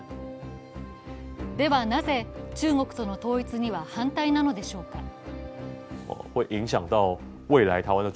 ではなぜ、中国との統一には反対なのでしょうか。